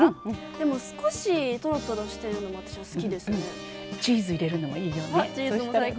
でも、少しとろとろしているほうがチーズ入れるのもいいよね。